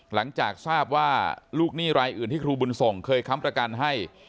หลังจากทราบว่าลูกหนี้รายอื่นที่ครูบุญส่งเคยค้ำประกันให้